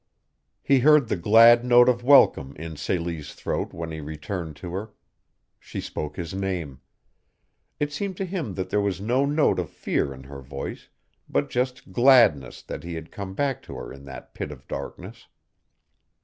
He heard the glad note of welcome in Celie's throat when he returned to her. She spoke his name. It seemed to him that there was no note of fear in her voice, but just gladness that he had come back to her in that pit of darkness.